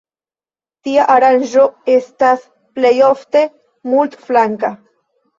Tiu aranĝo estas plejofte multflanka.